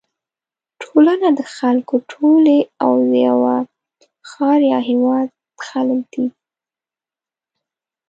ټولنه د خلکو ټولی او د یوه ښار یا هېواد خلک دي.